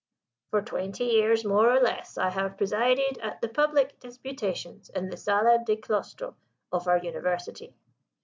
"For twenty years, more or less, I have presided at the public disputations in the Sala del Claustro of our University."